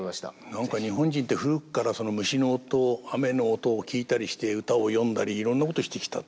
何か日本人って古くから虫の音雨の音を聞いたりして歌を詠んだりいろんなことをしてきた。